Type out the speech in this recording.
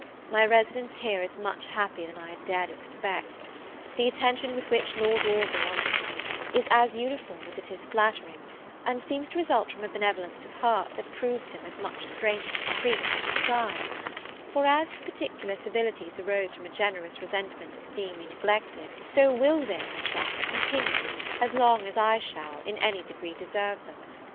My residence here is much happier than I had dared expect. The attention with which Lord Orville honours me, is as uniform as it is flattering, and seems to result from a benevolence of heart that proves him as much a stranger to caprice as to pride; for, as his particular civilities arose from a generous resentment at seeing me neglected, so will they, I trust, continue, as long as I shall, in any degree, deserve them.